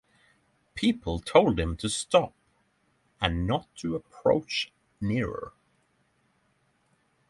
People told him to stop and not to approach nearer.